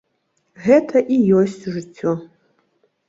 Гэта і ёсць жыццё.